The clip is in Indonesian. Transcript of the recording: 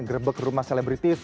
grebek rumah selebritis